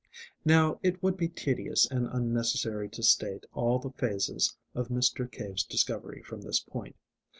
Now, it would be tedious and unnecessary to state all the phases of Mr. Cave's discovery from this point.